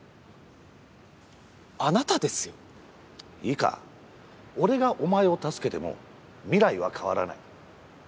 いいか俺がお前を助けても未来は変わらない。